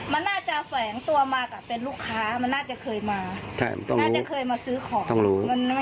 มันน่าจะแฝงตัวมาก่ะเป็นลูกค้ามันน่าจะเคยมา